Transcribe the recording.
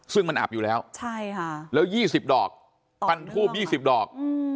ซึ่งมันอับอยู่แล้วแล้ว๒๐ดอกควันทูป๒๐ดอก